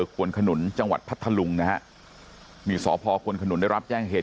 ควนขนุนจังหวัดพัทธลุงนะฮะนี่สพควนขนุนได้รับแจ้งเหตุ